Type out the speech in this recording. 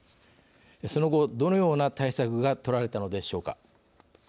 その後どのような対策が取られたのでしょうか。